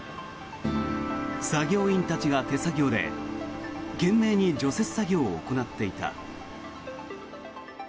作業員たちが手作業で懸命に除雪作業を行っていた。